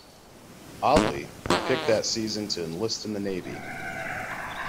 Oddly, he picked that season to enlist in the Navy.